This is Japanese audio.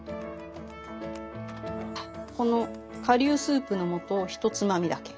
この顆粒スープの素をひとつまみだけ。